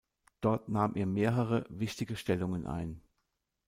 Dort nahm er mehrere wichtige Stellungen ein.